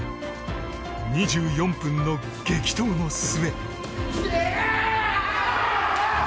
２４分の激闘の末。